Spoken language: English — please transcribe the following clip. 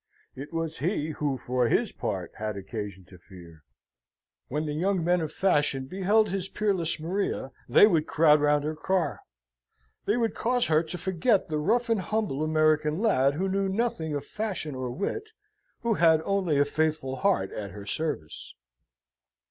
It was he who for his part had occasion to fear. When the young men of fashion beheld his peerless Maria they would crowd round her car; they would cause her to forget the rough and humble American lad who knew nothing of fashion or wit, who had only a faithful heart at her service.